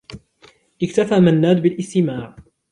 اكتفى منّاد بالاستماع.